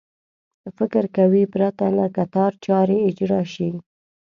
فکر کوي پرته له کتار چارې اجرا شي.